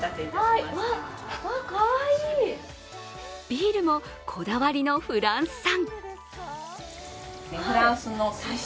ビールもこだわりのフランス産。